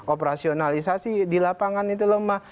operasionalisasi di lapangan itu lemah